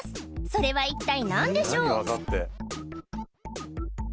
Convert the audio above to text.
それは一体何でしょう？